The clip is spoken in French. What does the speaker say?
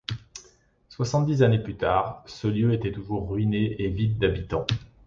Soixante-dix années plus tard, ce lieu était toujours ruiné et vide d'habitants.